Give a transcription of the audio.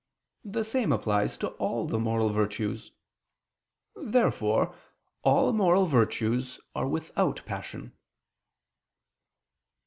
The same applies to all the moral virtues. Therefore all moral virtues are without passion.